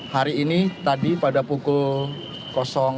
hari ini tadi pada pukul tujuh sudah langsung mengaktifkan tiga posko utama